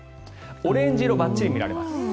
オレンジ色バッチリ見られます。